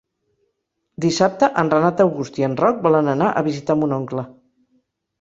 Dissabte en Renat August i en Roc volen anar a visitar mon oncle.